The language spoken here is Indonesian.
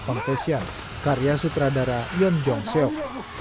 pampasian karya sutradara yeon jong seok